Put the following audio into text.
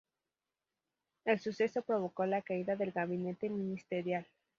El suceso provocó la caída del gabinete ministerial.